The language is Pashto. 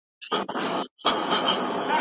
آيا فقهاء د طلاق پر محل باندي اتفاق لري؟